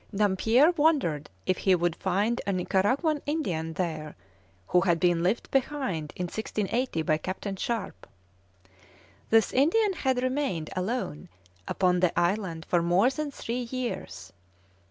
Dampier wondered if he would find a Nicaraguan Indian there, who had been left behind in 1680 by Captain Sharp. "This Indian had remained alone upon the island for more than three years.